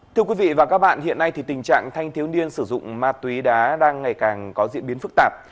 thưa quý vị và các bạn hiện nay thì tình trạng thanh thiếu niên sử dụng ma túy đá đang ngày càng có diễn biến phức tạp